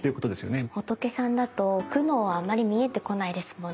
仏さんだと苦悩はあまり見えてこないですもんね。